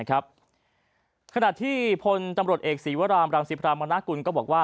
ขณะที่พลตรเอกสีวรามรามสีพรามมณากุลก็บอกว่า